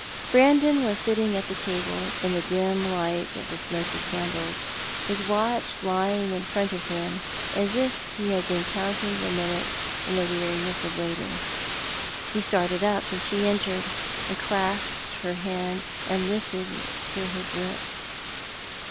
Erandon was sitting at the table, ia the dim light of the smoky candles, his watch lying in front of him, as if he had been counting the minutes in the weariness of waiting. He started up as she entered, and clasped her hand, and lifted it to his lips.